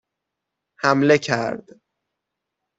حمله کرد